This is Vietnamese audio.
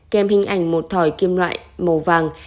kem hình ảnh một thỏi kim loại màu vàng